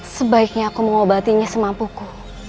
sebaiknya aku mengobatinya semampuku